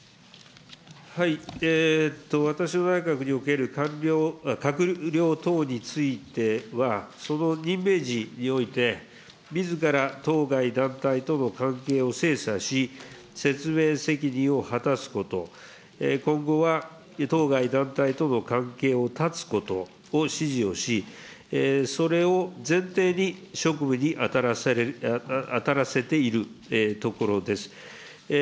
私の内閣における閣僚等については、その任命時において、みずから当該団体との関係を精査し、説明責任を果たすこと、今後は当該団体との関係を断つことを指示をし、それを前提に職務に当たらせているところです。